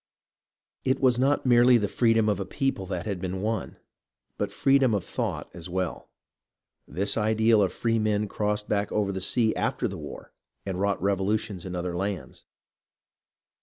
It was not merely the freedom of a people that had been won, but freedom of thought as well. This ideal of free men crossed back over the sea after the war and wrought revolutions in other lands.